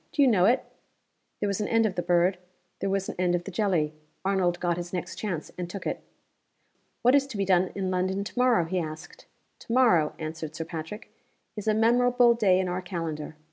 Do you know it?" There was an end of the bird; there was an end of the jelly. Arnold got his next chance and took it. "What is to be done in London to morrow?" he asked. "To morrow," answered Sir Patrick, "is a memorable day in our calendar.